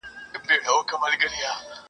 هره ورځ به یې کوله پروازونه !.